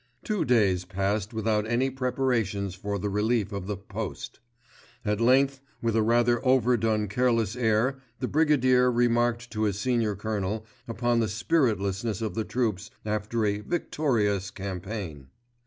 Two days passed without any preparations for the relief of the "Post." At length with a rather over done careless air the Brigadier remarked to his Senior Colonel upon the spiritlessness of the troops after a "victorious campaign."